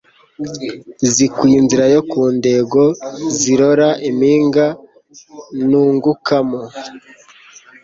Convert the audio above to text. Zikwiye inzira yo ku ndengoZirora impinga ntungukamo